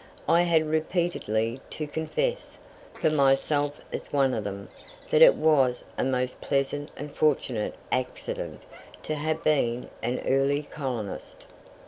I had repeatedly to confess, for myself as one of them, that it was a most pleasant and fortunate ACCIDENT to have been an early colonist.